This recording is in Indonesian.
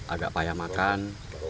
agak payah makan